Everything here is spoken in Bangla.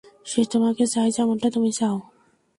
সে তোমাকে চায় যেমনটা তুমি চাউ।